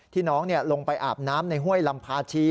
น้องลงไปอาบน้ำในห้วยลำพาชี